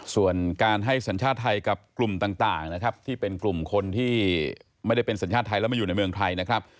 ส่วนการให้สัญชาติไทยกับกลุ่มต่างนะครับที่เป็นกลุ่มคนที่ไม่ได้เป็นสัญชาติไทยแล้วมาอยู่ในเมืองไทยนะครับ